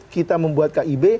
kita membuat kib